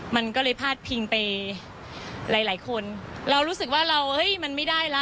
มันก็เลยพาดพิงไปหลายหลายคนเรารู้สึกว่าเราเฮ้ยมันไม่ได้ละ